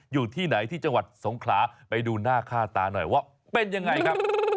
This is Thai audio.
อยู่ที่ไหนที่จังหวัดสงขลาไปดูหน้าค่าตาหน่อยว่าเป็นยังไงครับ